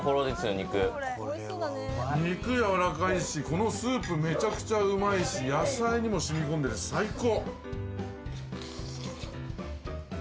肉やわらかいし、このスープめちゃくちゃうまいし、野菜にも染み込んでいるし、最高。